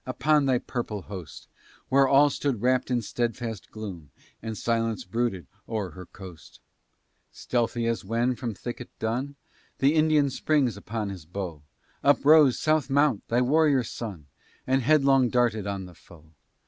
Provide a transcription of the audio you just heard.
upon thy purple host, When all stood wrapt in steadfast gloom, And silence brooded o'er her coast, Stealthy, as when from thicket dun, The Indian springs upon his bow, Up rose, South Mount, thy warrior son, And headlong darted on the foe.